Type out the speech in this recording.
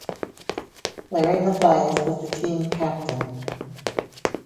Larry Mathias was the team captain.